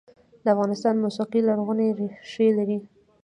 د افغانستان موسیقي لرغونې ریښې لري